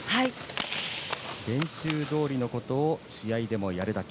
練習どおりのことを試合でもやるだけ。